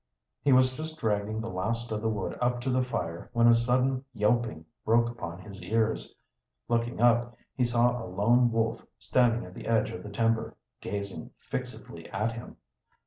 He was just dragging the last of the wood up to the fire when a sudden yelping broke upon his ears. Looking up, he saw a lone wolf standing at the edge of the timber, gazing fixedly at him.